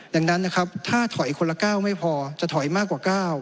ดังนั้นนะครับถ้าถอยคนละ๙ไม่พอจะถอยมากกว่า๙